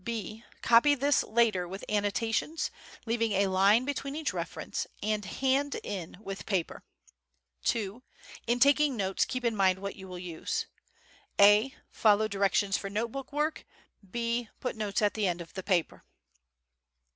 B. Copy this later with annotations, leaving a line between each reference, and hand in with paper. II. In taking notes keep in mind what you will use. A. Follow directions for note book work. B. Put notes at the end of the paper.